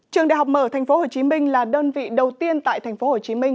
trường đại học mở tp hcm là đơn vị đầu tiên tại tp hcm